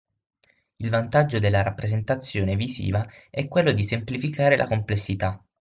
Il vantaggio della rappresentazione visiva è quello di semplificare la complessità.